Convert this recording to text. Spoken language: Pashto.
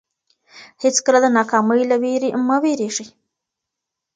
هیڅکله د ناکامۍ له وېرې مه وېرېږئ.